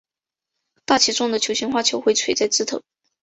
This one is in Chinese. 大且重的球形花朵会垂在枝头。